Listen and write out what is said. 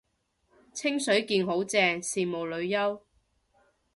清水健好正，羨慕女優